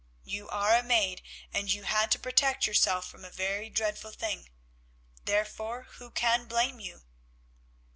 You are a maid, and you had to protect yourself from a very dreadful thing; therefore who can blame you?"